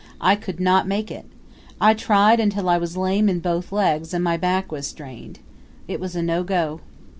I could not make it. I tried until I was lame in both legs and my back was strained. It was no go.